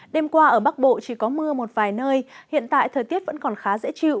đêm qua ở bắc bộ chỉ có mưa một vài nơi hiện tại thời tiết vẫn còn khá dễ chịu